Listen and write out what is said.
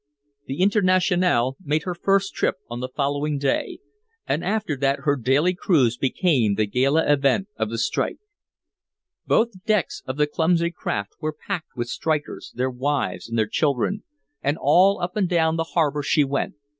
The Internationale made her first trip on the following day, and after that her daily cruise became the gala event of the strike. Both decks of the clumsy craft were packed with strikers, their wives and their children, and all up and down the harbor she went.